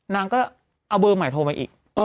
นางก็เอาเบอร์ใหม่โทรมาอีก